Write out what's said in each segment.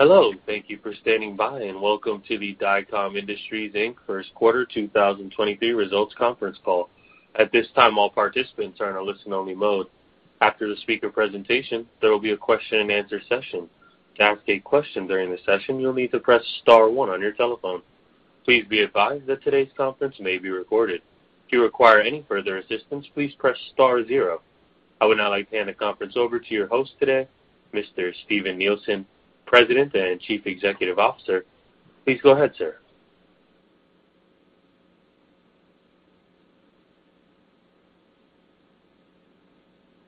Hello, thank you for standing by, and welcome to the Dycom Industries, Inc. First Quarter 2023 Results Conference Call. At this time, all participants are in a listen-only mode. After the speaker presentation, there will be a question-and-answer session. To ask a question during the session, you'll need to press star one on your telephone. Please be advised that today's conference may be recorded. If you require any further assistance, please press star zero. I would now like to hand the conference over to your host today, Mr. Steven Nielsen, President and Chief Executive Officer. Please go ahead, sir.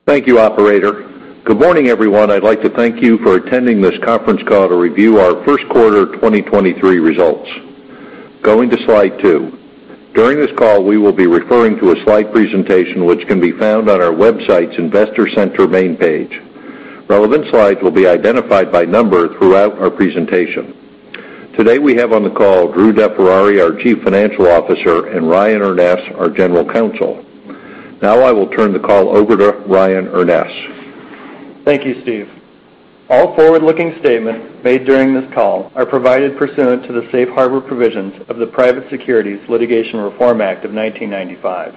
Thank you, operator. Good morning, everyone. I'd like to thank you for attending this conference call to review our first quarter 2023 results. Going to Slide 2. During this call, we will be referring to a slide presentation which can be found on our website's investor center main page. Relevant slides will be identified by number throughout our presentation. Today, we have on the call Drew DeFerrari, our Chief Financial Officer, and Ryan Urness, our General Counsel. Now, I will turn the call over to Ryan Urness. Thank you, Steve. All forward-looking statements made during this call are provided pursuant to the Safe Harbor Provisions of the Private Securities Litigation Reform Act of 1995.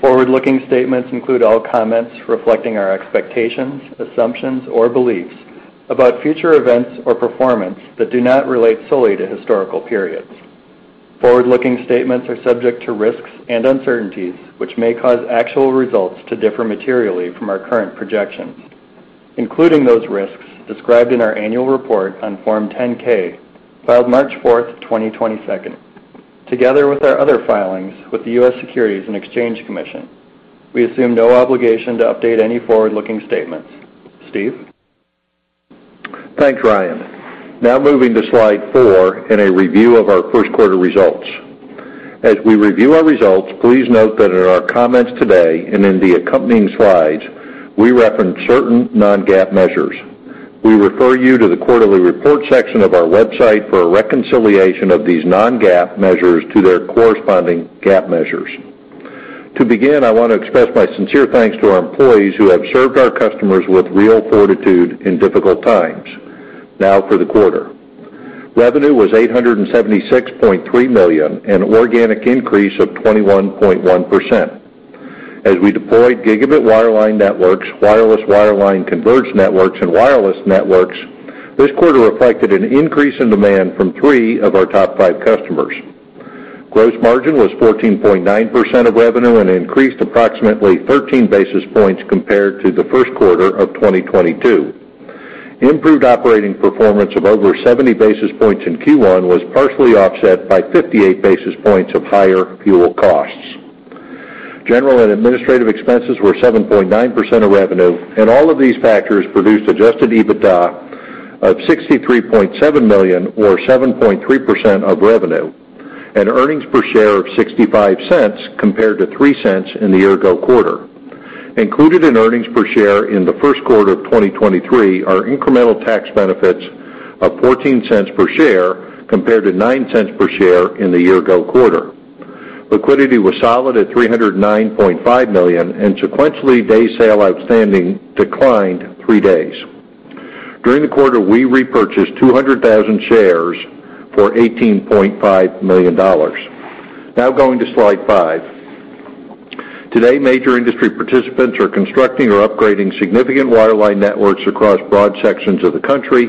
Forward-looking statements include all comments reflecting our expectations, assumptions, or beliefs about future events or performance that do not relate solely to historical periods. Forward-looking statements are subject to risks and uncertainties, which may cause actual results to differ materially from our current projections, including those risks described in our annual report on Form 10-K filed March 4, 2022. Together with our other filings with the U.S. Securities and Exchange Commission, we assume no obligation to update any forward-looking statements. Steve? Thanks, Ryan. Now moving to Slide 4 in a review of our first quarter results. As we review our results, please note that in our comments today and in the accompanying slides, we reference certain non-GAAP measures. We refer you to the quarterly report section of our website for a reconciliation of these non-GAAP measures to their corresponding GAAP measures. To begin, I want to express my sincere thanks to our employees who have served our customers with real fortitude in difficult times. Now for the quarter. Revenue was $876.3 million, an organic increase of 21.1%. As we deployed gigabit wireline networks, wireless wireline converged networks, and wireless networks, this quarter reflected an increase in demand from three of our top five customers. Gross margin was 14.9% of revenue and increased approximately 13 basis points compared to the first quarter of 2022. Improved operating performance of over 70 basis points in Q1 was partially offset by 58 basis points of higher fuel costs. General and administrative expenses were 7.9% of revenue, and all of these factors produced adjusted EBITDA of $63.7 million or 7.3% of revenue, and earnings per share of $0.65 compared to $0.03 in the year-ago quarter. Included in earnings per share in the first quarter of 2023 are incremental tax benefits of $0.14 per share compared to $0.09 per share in the year-ago quarter. Liquidity was solid at $309.5 million, and sequentially, days sales outstanding declined 3 days. During the quarter, we repurchased 200,000 shares for $18.5 million. Now going to Slide 5. Today, major industry participants are constructing or upgrading significant wireline networks across broad sections of the country.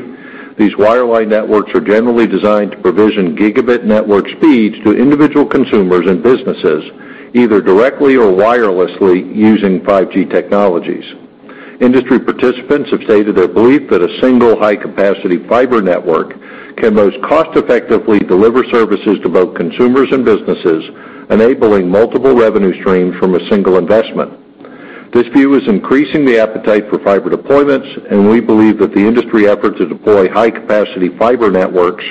These wireline networks are generally designed to provision gigabit network speeds to individual consumers and businesses, either directly or wirelessly using 5G technologies. Industry participants have stated their belief that a single high-capacity fiber network can most cost-effectively deliver services to both consumers and businesses, enabling multiple revenue streams from a single investment. This view is increasing the appetite for fiber deployments, and we believe that the industry effort to deploy high-capacity fiber networks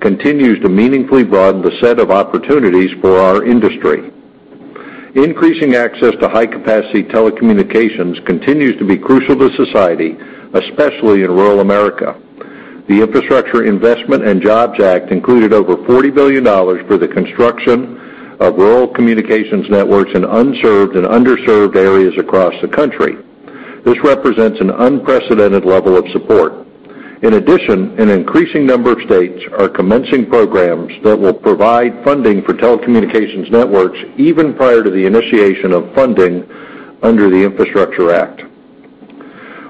continues to meaningfully broaden the set of opportunities for our industry. Increasing access to high-capacity telecommunications continues to be crucial to society, especially in rural America. The Infrastructure Investment and Jobs Act included over $40 billion for the construction of rural communications networks in unserved and underserved areas across the country. This represents an unprecedented level of support. In addition, an increasing number of states are commencing programs that will provide funding for telecommunications networks even prior to the initiation of funding under the Infrastructure Act.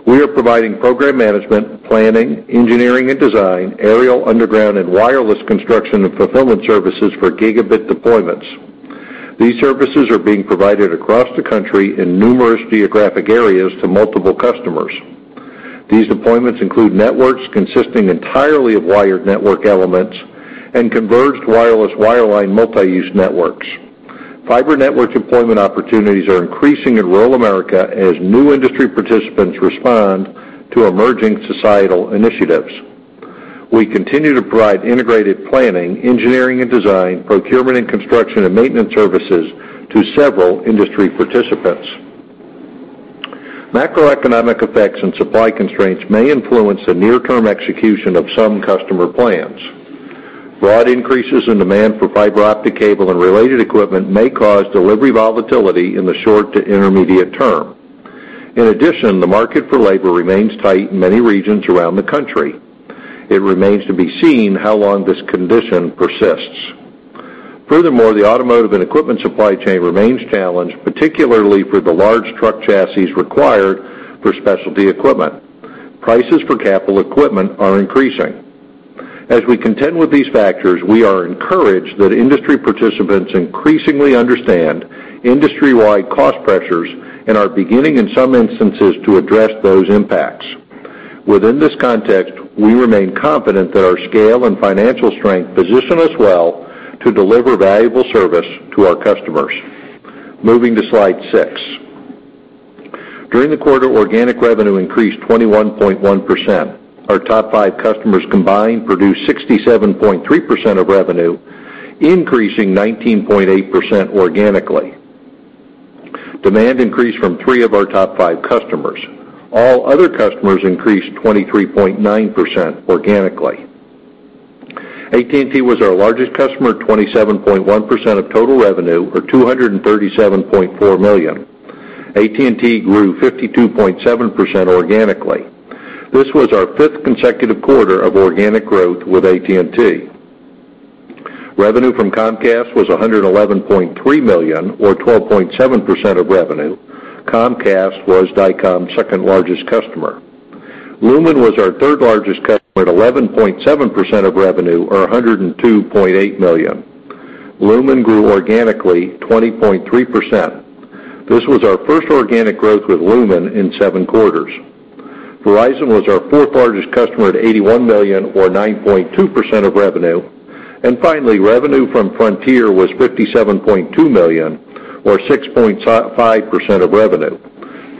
We are providing program management, planning, engineering and design, aerial, underground, and wireless construction and fulfillment services for gigabit deployments. These services are being provided across the country in numerous geographic areas to multiple customers. These deployments include networks consisting entirely of wired network elements and converged wireless wireline multi-use networks. Fiber network deployment opportunities are increasing in rural America as new industry participants respond to emerging societal initiatives. We continue to provide integrated planning, engineering and design, procurement and construction, and maintenance services to several industry participants. Macroeconomic effects and supply constraints may influence the near-term execution of some customer plans. Broad increases in demand for fiber optic cable and related equipment may cause delivery volatility in the short to intermediate term. In addition, the market for labor remains tight in many regions around the country. It remains to be seen how long this condition persists. Furthermore, the automotive and equipment supply chain remains challenged, particularly for the large truck chassis required for specialty equipment. Prices for capital equipment are increasing. As we contend with these factors, we are encouraged that industry participants increasingly understand industry-wide cost pressures and are beginning, in some instances, to address those impacts. Within this context, we remain confident that our scale and financial strength position us well to deliver valuable service to our customers. Moving to Slide 6. During the quarter, organic revenue increased 21.1%. Our top five customers combined produced 67.3% of revenue, increasing 19.8% organically. Demand increased from three of our top five customers. All other customers increased 23.9% organically. AT&T was our largest customer at 27.1% of total revenue, or $237.4 million. AT&T grew 52.7% organically. This was our fifth consecutive quarter of organic growth with AT&T. Revenue from Comcast was $111.3 million, or 12.7% of revenue. Comcast was Dycom's second-largest customer. Lumen was our third-largest customer at 11.7% of revenue, or $102.8 million. Lumen grew organically 20.3%. This was our first organic growth with Lumen in seven quarters. Verizon was our fourth-largest customer at $81 million or 9.2% of revenue. Finally, revenue from Frontier was $57.2 million, or 6.5% of revenue.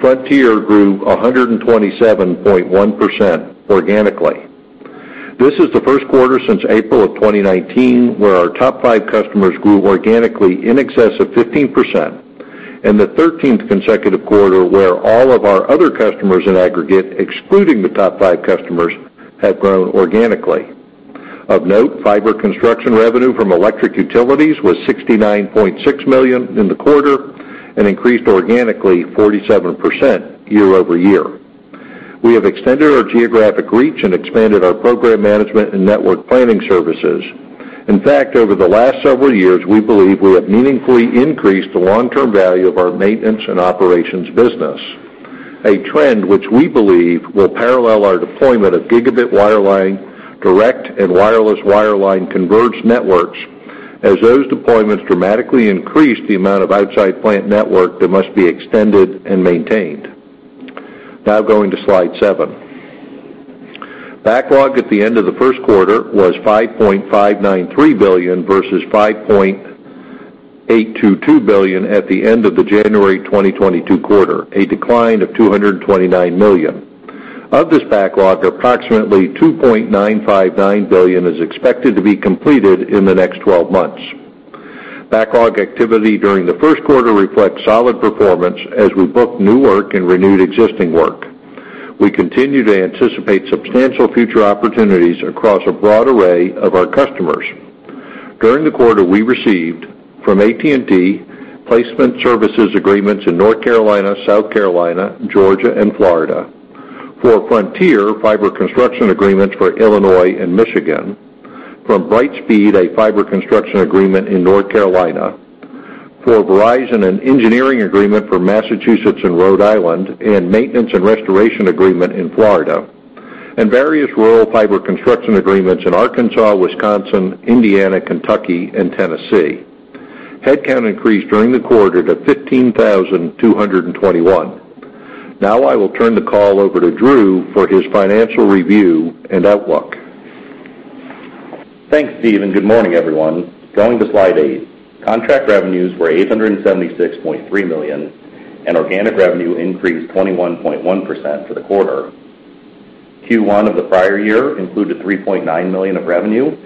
Frontier grew 127.1% organically. This is the first quarter since April 2019 where our top five customers grew organically in excess of 15%, and the 13th consecutive quarter where all of our other customers in aggregate, excluding the top five customers, have grown organically. Of note, fiber construction revenue from electric utilities was $69.6 million in the quarter and increased organically 47% year-over-year. We have extended our geographic reach and expanded our program management and network planning services. In fact, over the last several years, we believe we have meaningfully increased the long-term value of our maintenance and operations business, a trend which we believe will parallel our deployment of gigabit wireline, direct and wireless wireline converged networks as those deployments dramatically increase the amount of outside plant network that must be extended and maintained. Now going to Slide 7. Backlog at the end of the first quarter was $5.593 billion versus $5.822 billion at the end of the January 2022 quarter, a decline of $229 million. Of this backlog, approximately $2.959 billion is expected to be completed in the next 12 months. Backlog activity during the first quarter reflects solid performance as we book new work and renewed existing work. We continue to anticipate substantial future opportunities across a broad array of our customers. During the quarter, we received from AT&T placement services agreements in North Carolina, South Carolina, Georgia, and Florida. For Frontier, fiber construction agreements for Illinois and Michigan. From Brightspeed, a fiber construction agreement in North Carolina. For Verizon, an engineering agreement for Massachusetts and Rhode Island, and maintenance and restoration agreement in Florida, and various rural fiber construction agreements in Arkansas, Wisconsin, Indiana, Kentucky, and Tennessee. Headcount increased during the quarter to 15,221. Now, I will turn the call over to Drew for his financial review and outlook. Thanks, Steve, and good morning, everyone. Going to Slide 8. Contract revenues were $876.3 million, and organic revenue increased 21.1% for the quarter. Q1 of the prior year included $3.9 million of revenue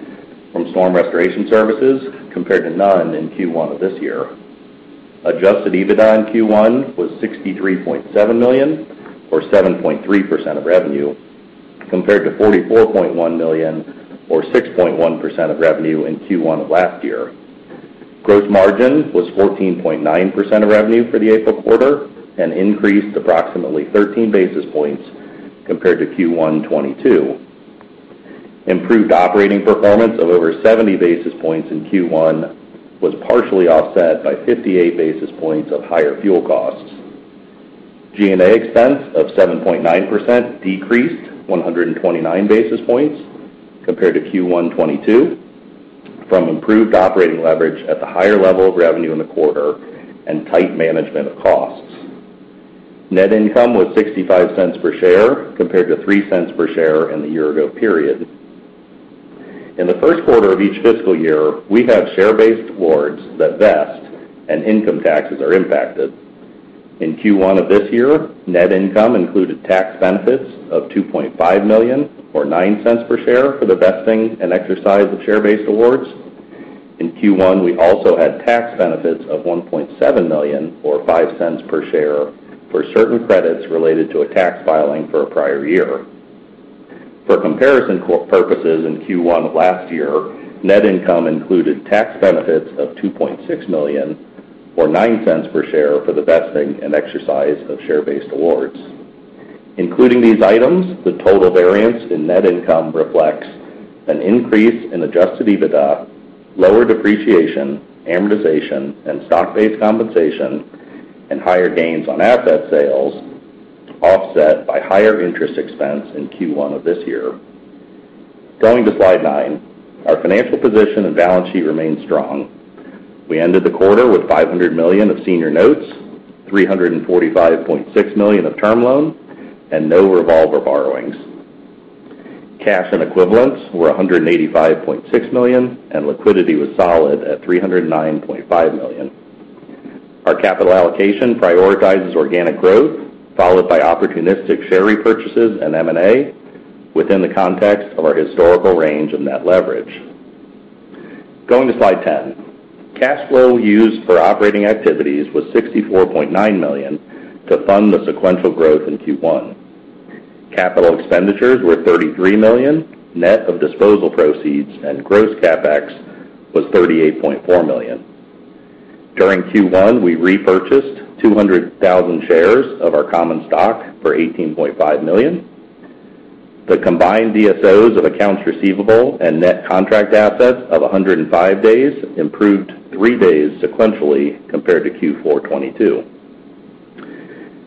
from storm restoration services compared to none in Q1 of this year. Adjusted EBITDA in Q1 was $63.7 million or 7.3% of revenue, compared to $44.1 million or 6.1% of revenue in Q1 of last year. Gross margin was 14.9% of revenue for the April quarter and increased approximately 13 basis points compared to Q1 2022. Improved operating performance of over 70 basis points in Q1 was partially offset by 58 basis points of higher fuel costs. G&A expense of 7.9% decreased 129 basis points compared to Q1 2022 from improved operating leverage at the higher level of revenue in the quarter and tight management of costs. Net income was $0.65 per share compared to $0.03 per share in the year ago period. In the first quarter of each fiscal year, we have share-based awards that vest, and income taxes are impacted. In Q1 of this year, net income included tax benefits of $2.5 million or $0.09 per share for the vesting and exercise of share-based awards. In Q1, we also had tax benefits of $1.7 million or $0.05 per share for certain credits related to a tax filing for a prior year. For comparison purposes, in Q1 of last year, net income included tax benefits of $2.6 million or $0.09 per share for the vesting and exercise of share-based awards. Including these items, the total variance in net income reflects an increase in adjusted EBITDA, lower depreciation, amortization, and stock-based compensation, and higher gains on asset sales, offset by higher interest expense in Q1 of this year. Going to slide 9. Our financial position and balance sheet remain strong. We ended the quarter with $500 million of senior notes, $345.6 million of term loans, and no revolver borrowings. Cash and equivalents were $185.6 million, and liquidity was solid at $309.5 million. Our capital allocation prioritizes organic growth, followed by opportunistic share repurchases and M&A within the context of our historical range of net leverage. Going to slide 10. Cash flow used for operating activities was $64.9 million to fund the sequential growth in Q1. Capital expenditures were $33 million, net of disposal proceeds and gross CapEx was $38.4 million. During Q1, we repurchased 200,000 shares of our common stock for $18.5 million. The combined DSOs of accounts receivable and net contract assets of 105 days improved 3 days sequentially compared to Q4 2022.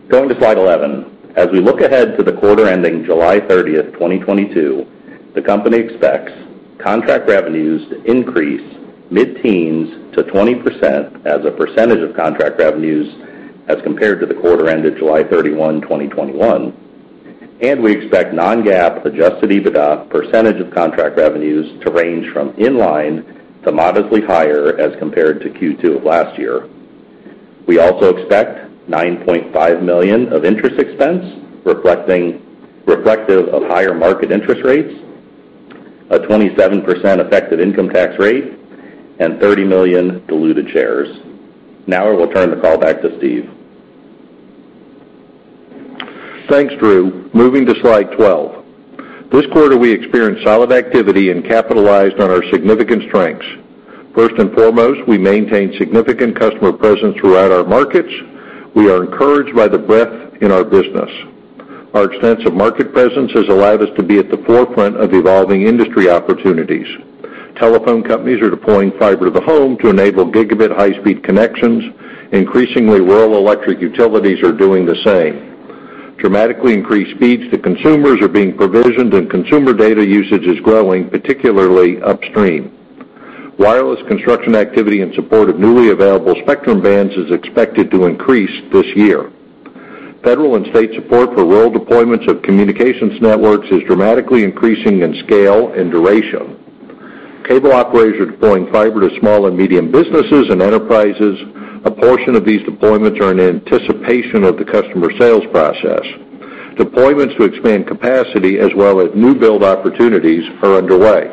Going to slide 11. As we look ahead to the quarter ending July 30, 2022, the company expects contract revenues to increase 15% to 20% as a percentage of contract revenues as compared to the quarter ended July 31, 2021. We expect non-GAAP adjusted EBITDA percentage of contract revenues to range from in line to modestly higher as compared to Q2 of last year. We also expect $9.5 million of interest expense, reflective of higher market interest rates, a 27% effective income tax rate, and 30 million diluted shares. Now I will turn the call back to Steve. Thanks, Drew. Moving to slide 12. This quarter, we experienced solid activity and capitalized on our significant strengths. First and foremost, we maintain significant customer presence throughout our markets. We are encouraged by the breadth in our business. Our extensive market presence has allowed us to be at the forefront of evolving industry opportunities. Telephone companies are deploying fiber to the home to enable gigabit high-speed connections. Increasingly, rural electric utilities are doing the same. Dramatically increased speeds to consumers are being provisioned, and consumer data usage is growing, particularly upstream. Wireless construction activity in support of newly available spectrum bands is expected to increase this year. Federal and state support for rural deployments of communications networks is dramatically increasing in scale and duration. Cable operators are deploying fiber to small and medium businesses and enterprises. A portion of these deployments are in anticipation of the customer sales process. Deployments to expand capacity as well as new build opportunities are underway.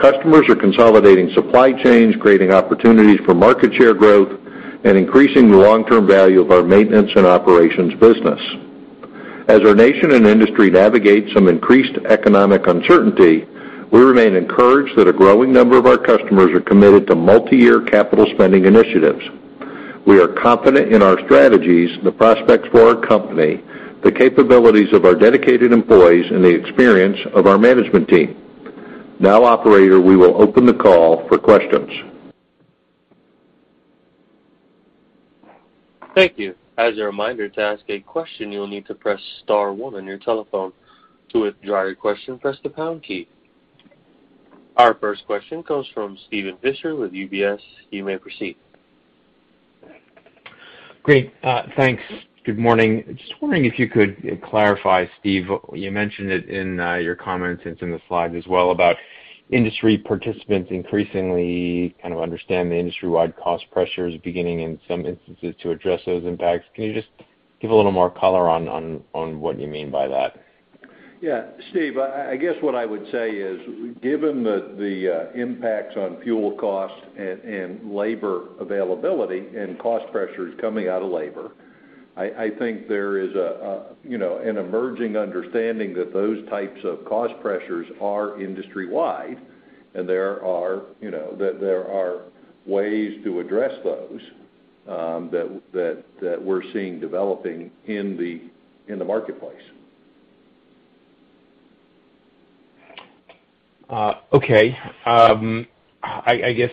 Customers are consolidating supply chains, creating opportunities for market share growth, and increasing the long-term value of our maintenance and operations business. As our nation and industry navigate some increased economic uncertainty, we remain encouraged that a growing number of our customers are committed to multi-year capital spending initiatives. We are confident in our strategies, the prospects for our company, the capabilities of our dedicated employees, and the experience of our management team. Now, operator, we will open the call for questions. Thank you. As a reminder, to ask a question, you will need to press star one on your telephone. To withdraw your question, press the pound key. Our first question comes from Steven Fisher with UBS. You may proceed. Great. Thanks. Good morning. Just wondering if you could clarify, Steven, you mentioned it in your comments, and it's in the slide as well, about industry participants increasingly kind of understand the industry-wide cost pressures beginning in some instances to address those impacts. Can you just give a little more color on what you mean by that? Yeah. Steve, I guess what I would say is, given the impacts on fuel costs and labor availability and cost pressures coming out of labor, I think there is, you know, an emerging understanding that those types of cost pressures are industry-wide, and there are, you know, that there are ways to address those, that we're seeing developing in the marketplace. Okay. I guess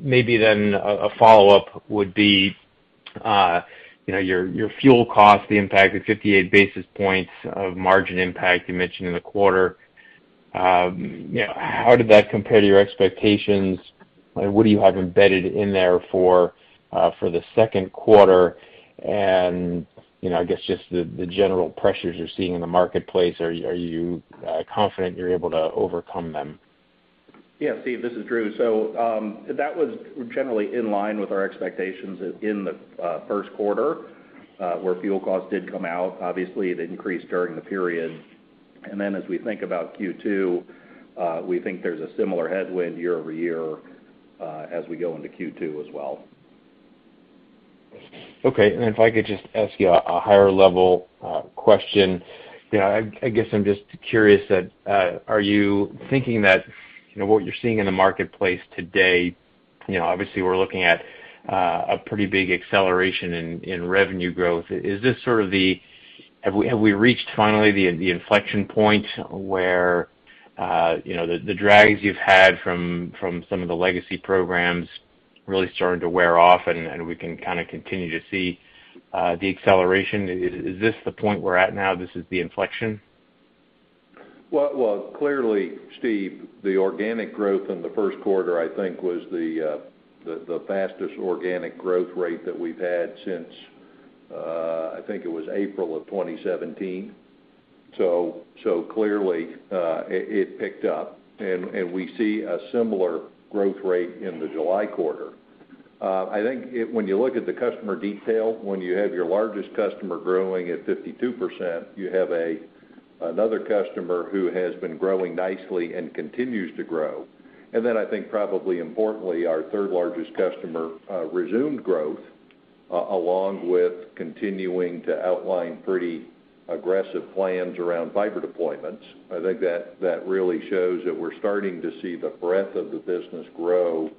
maybe then a follow-up would be, you know, your fuel cost, the impact of 58 basis points of margin impact you mentioned in the quarter. You know, how did that compare to your expectations? What do you have embedded in there for the second quarter? You know, I guess just the general pressures you're seeing in the marketplace. Are you confident you're able to overcome them? Yeah, Steven, this is Drew. That was generally in line with our expectations in the first quarter, where fuel costs did come out. Obviously, it increased during the period. As we think about Q2, we think there's a similar headwind year-over-year, as we go into Q2 as well. Okay. If I could just ask you a higher level question. You know, I guess I'm just curious that are you thinking that, you know, what you're seeing in the marketplace today, you know, obviously, we're looking at a pretty big acceleration in revenue growth. Have we reached finally the inflection point where, you know, the drags you've had from some of the legacy programs really starting to wear off, and we can kinda continue to see the acceleration? Is this the point we're at now, this is the inflection? Well, clearly, Steve, the organic growth in the first quarter, I think, was the fastest organic growth rate that we've had since I think it was April of 2017. Clearly, it picked up, and we see a similar growth rate in the July quarter. I think when you look at the customer detail, when you have your largest customer growing at 52%, you have another customer who has been growing nicely and continues to grow. Then I think probably importantly, our third-largest customer resumed growth along with continuing to outline pretty aggressive plans around fiber deployments. I think that really shows that we're starting to see the breadth of the business grow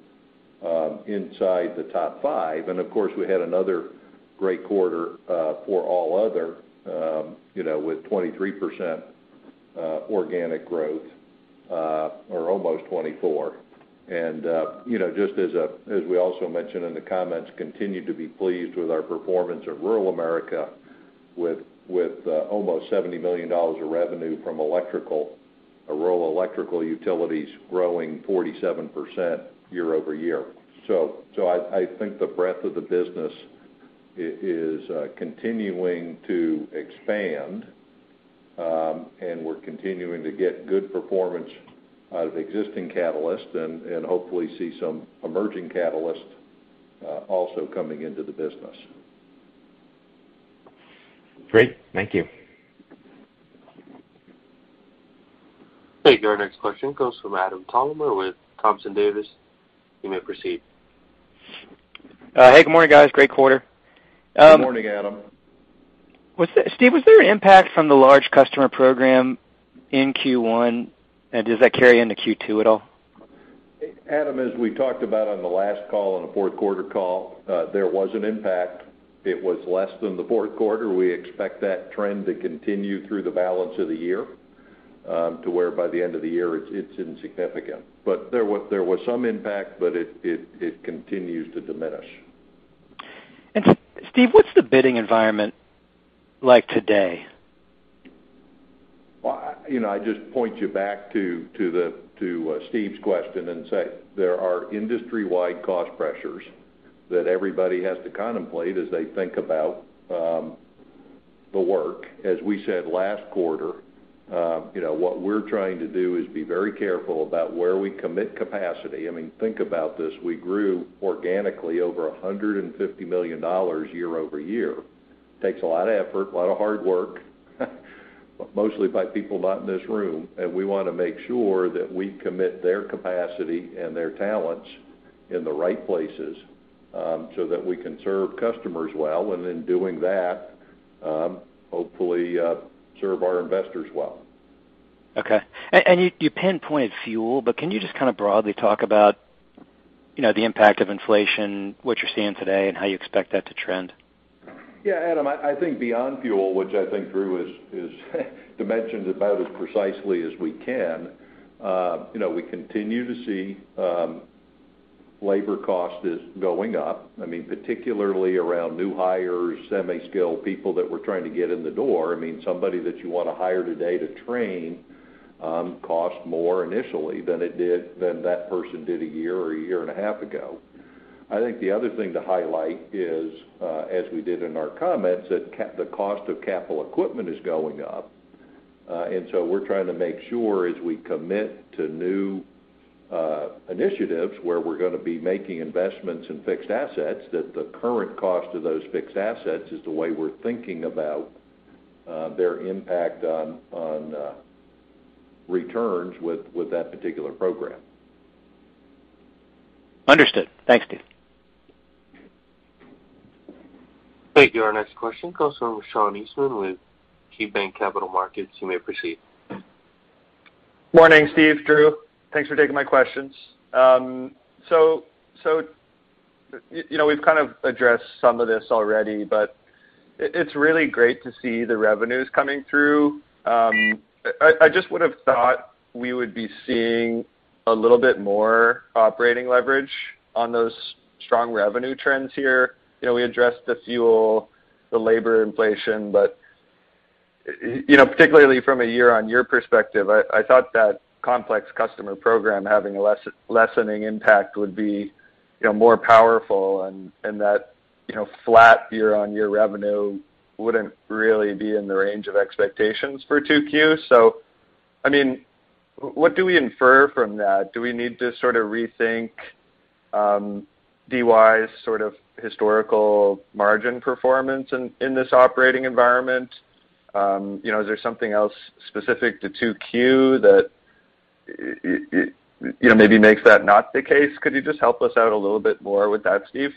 inside the top five. Of course, we had another great quarter for all other, you know, with 23% organic growth, or almost 24%. Just as we also mentioned in the comments, continue to be pleased with our performance in rural America with almost $70 million of revenue from electrical, rural electrical utilities growing 47% year-over-year. I think the breadth of the business is continuing to expand, and we're continuing to get good performance out of existing catalysts and hopefully see some emerging catalysts also coming into the business. Great. Thank you. Thank you. Our next question comes from Adam Thalhimer with Thompson Davis. You may proceed. Hey, good morning, guys. Great quarter. Good morning, Adam. Steve, was there an impact from the large customer program in Q1, and does that carry into Q2 at all? Adam, as we talked about on the last call, on the fourth quarter call, there was an impact. It was less than the fourth quarter. We expect that trend to continue through the balance of the year, to where by the end of the year, it's insignificant. There was some impact, but it continues to diminish. Steve, what's the bidding environment like today? Well, you know, I just point you back to the Steve's question and say there are industry-wide cost pressures that everybody has to contemplate as they think about the work. As we said last quarter, you know, what we're trying to do is be very careful about where we commit capacity. I mean, think about this. We grew organically over $150 million year-over-year. Takes a lot of effort, a lot of hard work, mostly by people not in this room, and we wanna make sure that we commit their capacity and their talents in the right places, so that we can serve customers well. In doing that, hopefully, serve our investors well. Okay. You pinpointed fuel, but can you just kinda broadly talk about, you know, the impact of inflation, what you're seeing today, and how you expect that to trend? Yeah, Adam, I think beyond fuel, which I think Drew has is dimensioned about as precisely as we can, you know, we continue to see labor cost is going up, I mean, particularly around new hires, semi-skilled people that we're trying to get in the door. I mean, somebody that you wanna hire today to train costs more initially than that person did a year or a year and a half ago. I think the other thing to highlight is, as we did in our comments, that the cost of capital equipment is going up. We're trying to make sure as we commit to new initiatives where we're gonna be making investments in fixed assets, that the current cost of those fixed assets is the way we're thinking about their impact on returns with that particular program. Understood. Thanks, Steve. Thank you. Our next question comes from Sean Eastman with KeyBanc Capital Markets. You may proceed. Morning, Steve, Drew. Thanks for taking my questions. You know, we've kind of addressed some of this already, but it's really great to see the revenues coming through. I just would have thought we would be seeing a little bit more operating leverage on those strong revenue trends here. You know, we addressed the fuel, the labor inflation, but you know, particularly from a year-on-year perspective, I thought that complex customer program having lessening impact would be, you know, more powerful and that, you know, flat year-on-year revenue wouldn't really be in the range of expectations for 2Q. I mean, what do we infer from that? Do we need to sort of rethink DY's sort of historical margin performance in this operating environment. You know, is there something else specific to 2Q that, you know, maybe makes that not the case? Could you just help us out a little bit more with that, Steve?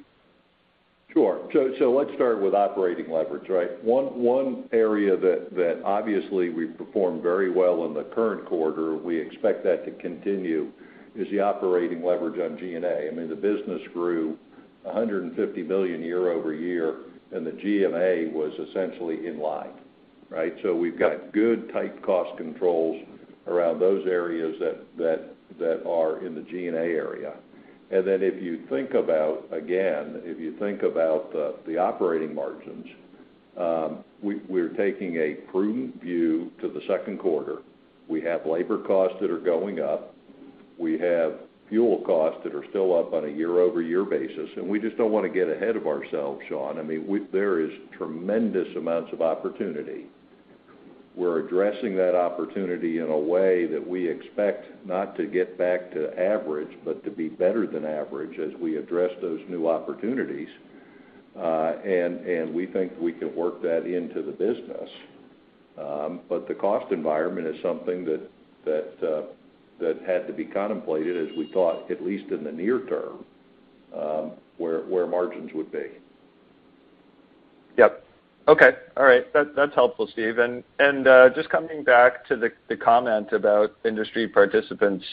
Sure. Let's start with operating leverage, right? One area that obviously we performed very well in the current quarter, we expect that to continue, is the operating leverage on G&A. I mean, the business grew $150 million year-over-year, and the G&A was essentially in line, right? We've got good tight cost controls around those areas that are in the G&A area. If you think about, again, if you think about the operating margins, we're taking a prudent view to the second quarter. We have labor costs that are going up. We have fuel costs that are still up on a year-over-year basis, and we just don't wanna get ahead of ourselves, Sean. I mean, there is tremendous amounts of opportunity. We're addressing that opportunity in a way that we expect not to get back to average, but to be better than average as we address those new opportunities. We think we can work that into the business. The cost environment is something that had to be contemplated as we thought, at least in the near term, where margins would be. That's helpful, Steve. Just coming back to the comment about industry participants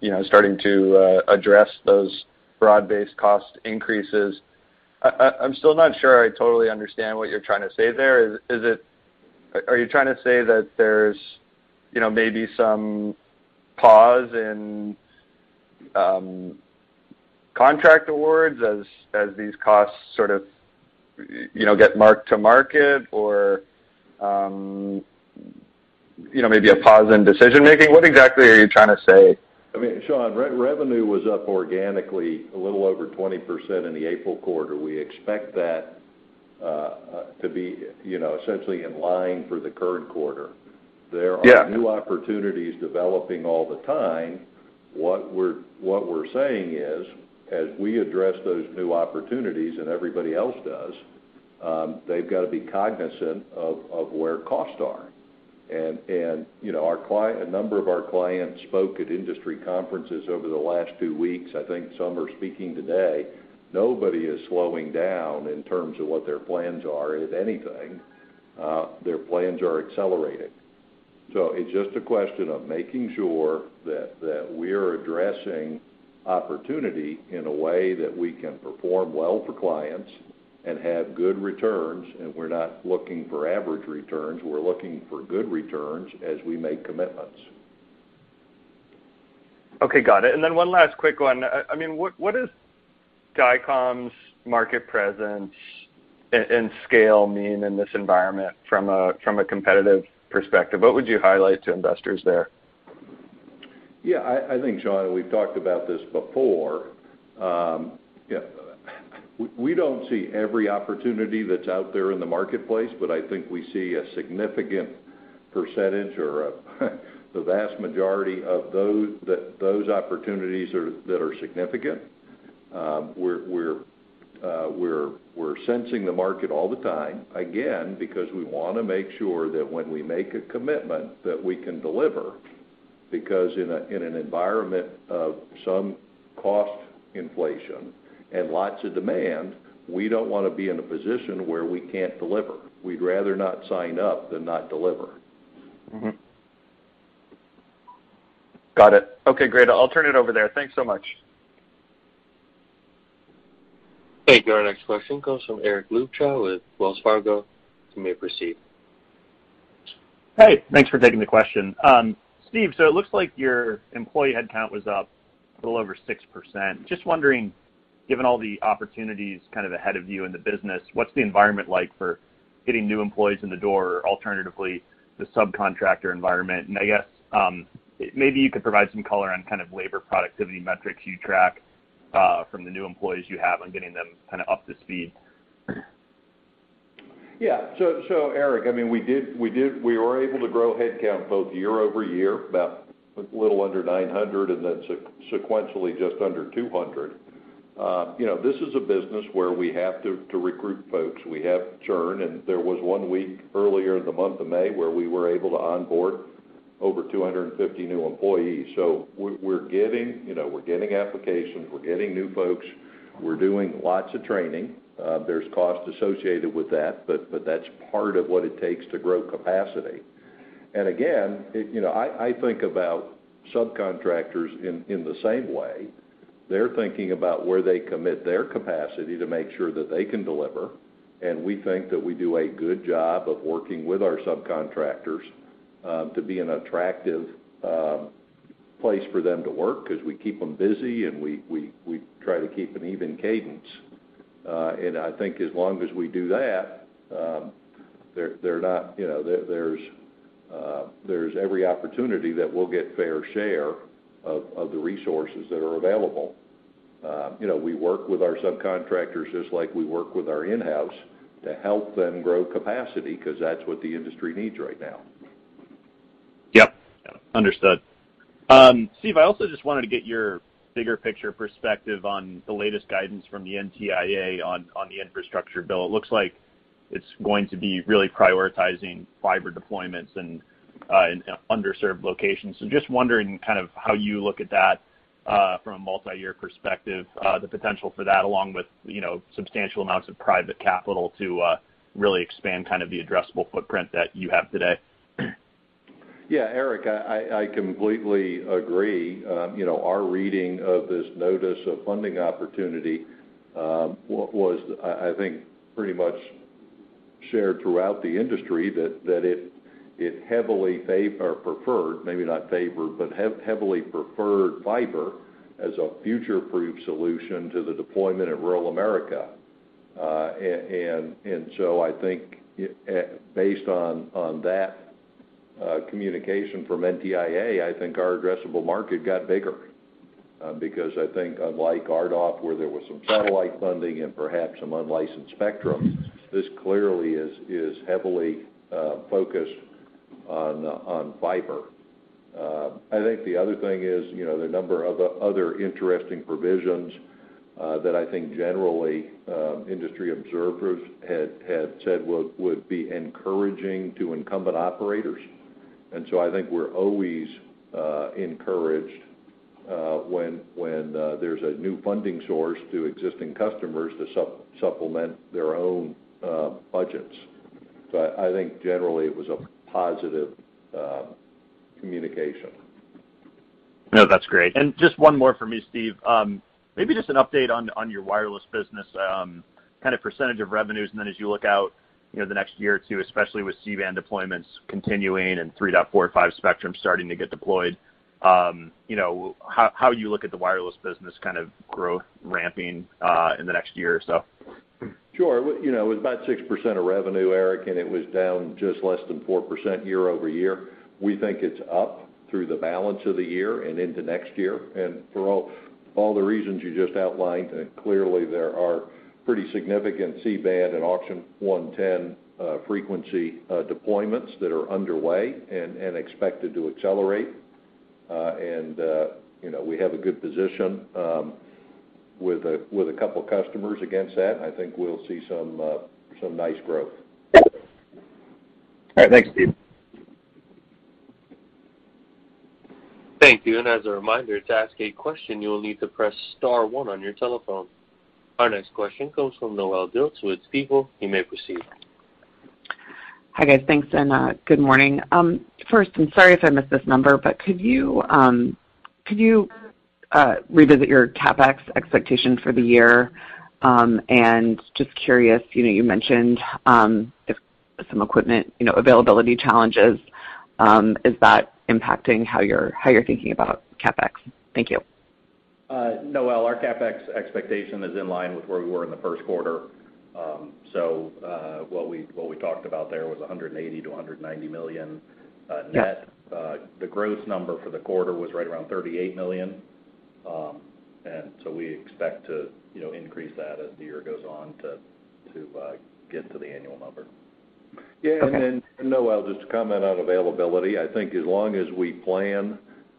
you know, starting to address those broad-based cost increases. I'm still not sure I totally understand what you're trying to say there. Are you trying to say that there's you know, maybe some pause in contract awards as these costs sort of you know, get marked to market or you know, maybe a pause in decision-making? What exactly are you trying to say? I mean, Sean, revenue was up organically a little over 20% in the April quarter. We expect that to be, you know, essentially in line for the current quarter. Yeah. There are new opportunities developing all the time. What we're saying is, as we address those new opportunities and everybody else does, they've got to be cognizant of where costs are. You know, a number of our clients spoke at industry conferences over the last two weeks. I think some are speaking today. Nobody is slowing down in terms of what their plans are. If anything, their plans are accelerating. It's just a question of making sure that we're addressing opportunity in a way that we can perform well for clients and have good returns. We're not looking for average returns, we're looking for good returns as we make commitments. Okay. Got it. One last quick one. I mean, what is Dycom's market presence and scale mean in this environment from a competitive perspective? What would you highlight to investors there? Yeah, I think, Sean, we've talked about this before. Yeah, we don't see every opportunity that's out there in the marketplace, but I think we see a significant percentage or the vast majority of those that are significant. We're sensing the market all the time, again, because we wanna make sure that when we make a commitment that we can deliver. Because in an environment of some cost inflation and lots of demand, we don't wanna be in a position where we can't deliver. We'd rather not sign up than not deliver. Got it. Okay, great. I'll turn it over there. Thanks so much. Thank you. Our next question comes from Eric Luebchow with Wells Fargo. You may proceed. Hey, thanks for taking the question. Steve, so it looks like your employee headcount was up a little over 6%. Just wondering, given all the opportunities kind of ahead of you in the business, what's the environment like for getting new employees in the door, alternatively, the subcontractor environment? I guess, maybe you could provide some color on kind of labor productivity metrics you track, from the new employees you have on getting them kind of up to speed. Yeah. Eric, I mean, we were able to grow headcount both year-over-year, about a little under 900, and then sequentially just under 200. You know, this is a business where we have to recruit folks. We have churn, and there was one week earlier in the month of May, where we were able to onboard over 250 new employees. We're getting, you know, we're getting applications, we're getting new folks, we're doing lots of training. There's costs associated with that, but that's part of what it takes to grow capacity. Again, you know, I think about subcontractors in the same way. They're thinking about where they commit their capacity to make sure that they can deliver, and we think that we do a good job of working with our subcontractors to be an attractive place for them to work 'cause we keep them busy, and we try to keep an even cadence. I think as long as we do that, they're not. There's every opportunity that we'll get fair share of the resources that are available. We work with our subcontractors just like we work with our in-house to help them grow capacity 'cause that's what the industry needs right now. Yep. Understood. Steven, I also just wanted to get your bigger picture perspective on the latest guidance from the NTIA on the infrastructure bill. It looks like it's going to be really prioritizing fiber deployments and in underserved locations. Just wondering kind of how you look at that from a multi-year perspective, the potential for that along with, you know, substantial amounts of private capital to really expand kind of the addressable footprint that you have today. Yeah, Eric, I completely agree. You know, our reading of this notice of funding opportunity was, I think, pretty much shared throughout the industry that it heavily preferred, maybe not favored, but heavily preferred fiber as a future-proof solution to the deployment in rural America. I think, based on that communication from NTIA, I think our addressable market got bigger because I think unlike RDOF, where there was some satellite funding and perhaps some unlicensed spectrum, this clearly is heavily focused on fiber. I think the other thing is, you know, the number of other interesting provisions that I think generally industry observers had said would be encouraging to incumbent operators. I think we're always encouraged when there's a new funding source to existing customers to supplement their own budgets. I think generally it was a positive communication. No, that's great. Just one more for me, Steven. Maybe just an update on your wireless business, kind of percentage of revenues, and then as you look out, you know, the next year or two, especially with C-band deployments continuing and 3.45 spectrum starting to get deployed, you know, how you look at the wireless business kind of growth ramping in the next year or so? Sure. You know, it was about 6% of revenue, Eric, and it was down just less than 4% year-over-year. We think it's up through the balance of the year and into next year. For all the reasons you just outlined, and clearly there are pretty significant C-band and Auction 110 frequency deployments that are underway and expected to accelerate. You know, we have a good position with a couple customers against that, and I think we'll see some nice growth. All right. Thanks, Steve. Thank you. As a reminder, to ask a question, you'll need to press star one on your telephone. Our next question comes from Noelle Dilts with Stifel. You may proceed. Hi, guys. Thanks, and good morning. First, I'm sorry if I missed this number, but could you revisit your CapEx expectation for the year? Just curious, you know, you mentioned some equipment, you know, availability challenges. Is that impacting how you're thinking about CapEx? Thank you. Noelle, our CapEx expectation is in line with where we were in the first quarter. What we talked about there was $180 million to $190 million net. The gross number for the quarter was right around $38 million. We expect to, you know, increase that as the year goes on to get to the annual number. Yeah. Okay. Noelle, just to comment on availability. I think as long as we plan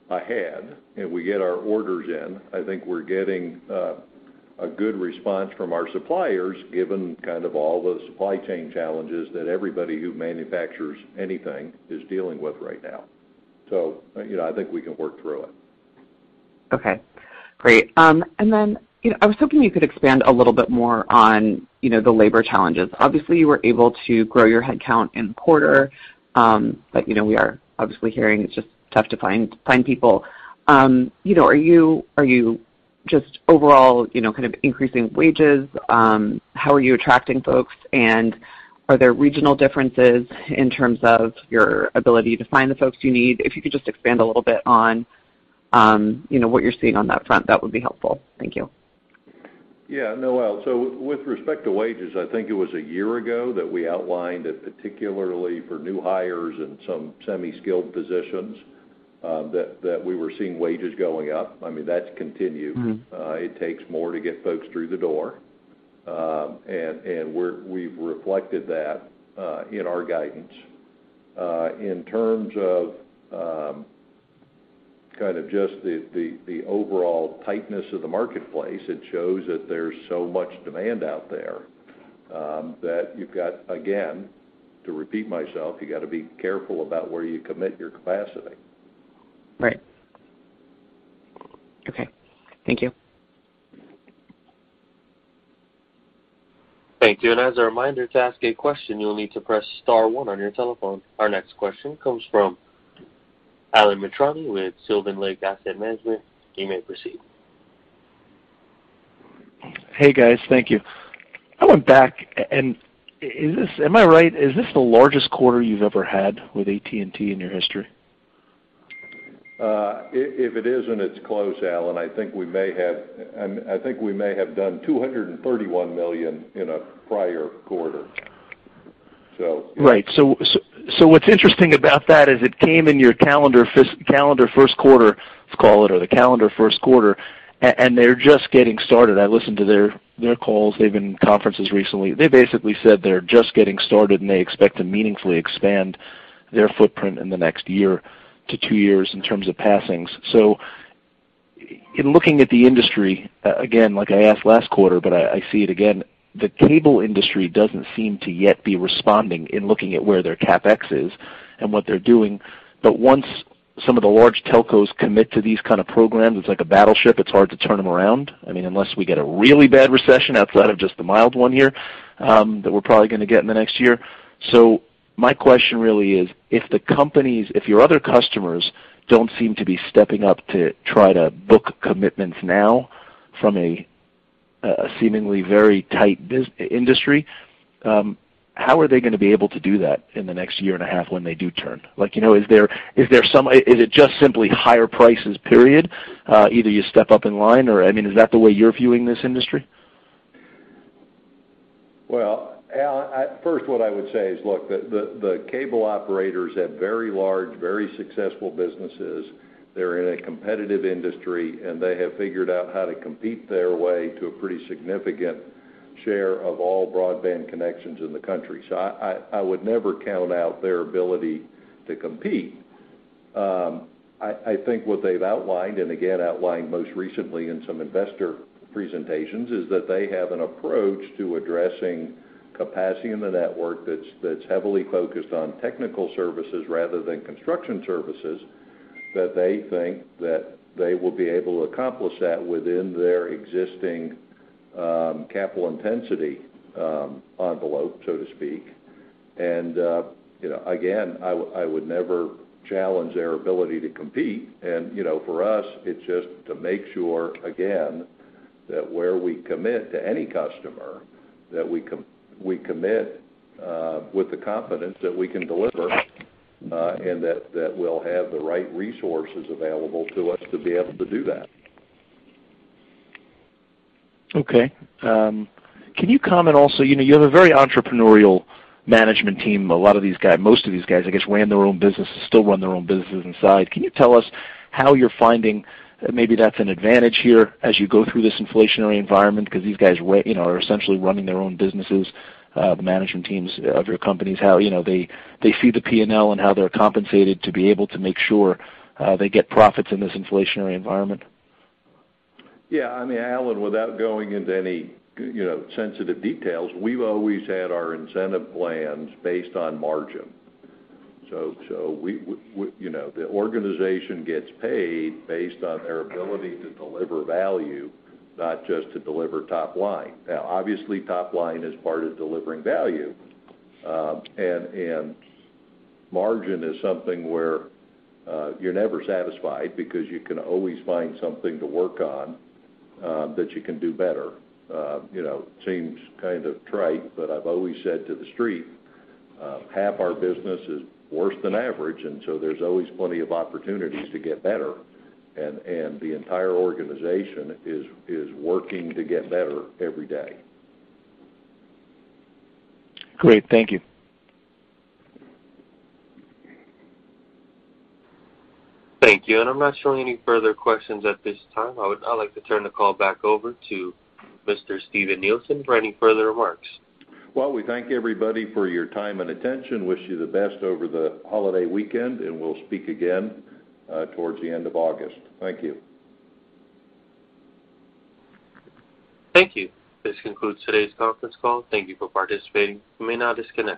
ahead and we get our orders in, I think we're getting a good response from our suppliers, given kind of all the supply chain challenges that everybody who manufactures anything is dealing with right now. You know, I think we can work through it. Okay. Great. You know, I was hoping you could expand a little bit more on, you know, the labor challenges. Obviously, you were able to grow your headcount in the quarter. You know, we are obviously hearing it's just tough to find people. You know, are you just overall, you know, kind of increasing wages? How are you attracting folks? Are there regional differences in terms of your ability to find the folks you need? If you could just expand a little bit on, you know, what you're seeing on that front, that would be helpful. Thank you. Yeah, Noelle. With respect to wages, I think it was a year ago that we outlined that particularly for new hires and some semi-skilled positions, that we were seeing wages going up. I mean, that's continued. It takes more to get folks through the door. We've reflected that in our guidance. In terms of kind of just the overall tightness of the marketplace, it shows that there's so much demand out there that you've got, again, to repeat myself, you gotta be careful about where you commit your capacity. Right. Okay. Thank you. Thank you. As a reminder, to ask a question, you'll need to press star one on your telephone. Our next question comes from Alan Mitrani with Sylvan Lake Asset Management. You may proceed. Hey, guys. Thank you. Am I right? Is this the largest quarter you've ever had with AT&T in your history? If it isn't, it's close, Alan. I think we may have done $231 million in a prior quarter, so. Right. What's interesting about that is it came in your calendar first quarter. Let's call it or the calendar first quarter, and they're just getting started. I listened to their calls. They've been in conferences recently. They basically said they're just getting started, and they expect to meaningfully expand their footprint in the next year to two years in terms of passings. In looking at the industry, again, like I asked last quarter, but I see it again, the cable industry doesn't seem to yet be responding in looking at where their CapEx is and what they're doing. Once some of the large telcos commit to these kind of programs, it's like a battleship. It's hard to turn them around. I mean, unless we get a really bad recession outside of just the mild one here, that we're probably gonna get in the next year. My question really is, if your other customers don't seem to be stepping up to try to book commitments now from a seemingly very tight industry, how are they gonna be able to do that in the next year and a half when they do turn? Like, you know, is there? Is it just simply higher prices, period? Either you step up in line or. I mean, is that the way you're viewing this industry? Well, Alan, first, what I would say is, look, the cable operators have very large, very successful businesses. They're in a competitive industry, and they have figured out how to compete their way to a pretty significant share of all broadband connections in the country. I would never count out their ability to compete. I think what they've outlined, and again, outlined most recently in some investor presentations, is that they have an approach to addressing capacity in the network that's heavily focused on technical services rather than construction services, that they think that they will be able to accomplish that within their existing capital intensity envelope, so to speak. You know, again, I would never challenge their ability to compete. You know, for us, it's just to make sure, again, that where we commit to any customer, that we commit with the confidence that we can deliver, and that we'll have the right resources available to us to be able to do that. Okay, can you comment also, you know, you have a very entrepreneurial management team. A lot of these guys, most of these guys, I guess, ran their own businesses, still run their own businesses inside. Can you tell us how you're finding maybe that's an advantage here as you go through this inflationary environment because these guys, you know, are essentially running their own businesses, the management teams of your companies? How, you know, they see the P&L and how they're compensated to be able to make sure they get profits in this inflationary environment? Yeah. I mean, Alan, without going into any, you know, sensitive details, we've always had our incentive plans based on margin. We you know, the organization gets paid based on their ability to deliver value, not just to deliver top line. Now, obviously, top line is part of delivering value. Margin is something where you're never satisfied because you can always find something to work on that you can do better. You know, seems kind of trite, but I've always said to the street, half our business is worse than average, and so there's always plenty of opportunities to get better. The entire organization is working to get better every day. Great. Thank you. Thank you. I'm not showing any further questions at this time. I'd like to turn the call back over to Mr. Steven Nielsen for any further remarks. Well, we thank everybody for your time and attention. Wish you the best over the holiday weekend, and we'll speak again towards the end of August. Thank you. Thank you. This concludes today's conference call. Thank you for participating. You may now disconnect.